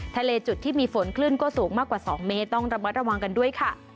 ทะเลจุดที่มีฝนคลื่นก็สูงมากกว่า๒เมตรต้องระมัดระวังกันด้วยค่ะ